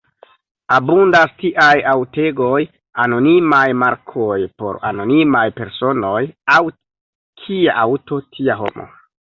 Abundas tiaj aŭtegoj: anonimaj markoj por anonimaj personoj; aŭ, kia aŭto, tia homo.